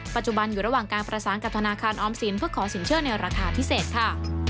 ปัจจุบันอยู่ระหว่างการประสานกับธนาคารออมสินเพื่อขอสินเชื่อในราคาพิเศษค่ะ